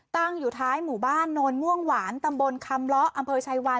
ตั้งอยู่ท้ายหมู่บ้านโนนม่วงหวานตำบลคำล้ออำเภอชัยวัน